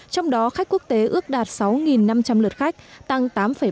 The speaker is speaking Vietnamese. trong đó khách quốc tế ước đạt sáu năm trăm linh lượt khách tăng tám ba